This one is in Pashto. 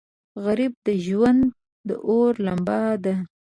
غریب د ژوند د اور لمبه ده